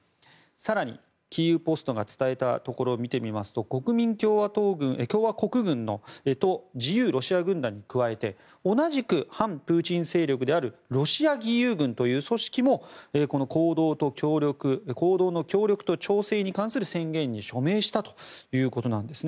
更に、キーウ・ポストが伝えたところを見てみますと国民共和国軍と自由ロシア軍団に加えて同じく反プーチン勢力であるロシア義勇軍という組織も行動の協力と調整に関する宣言に署名したということなんです。